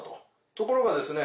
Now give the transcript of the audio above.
ところがですね